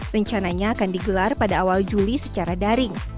rencananya akan digelar pada awal juli secara daring